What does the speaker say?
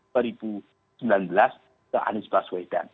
dari pendukung pak prabowo dua ribu sembilan belas ke anies baswedan